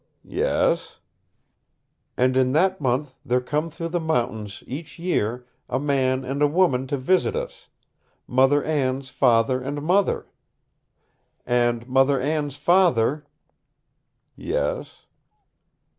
"Yes ?" "And in that month there come through the mountains, each year, a man and a woman to visit us mother Anne's father and mother. And mother Anne's father " "Yes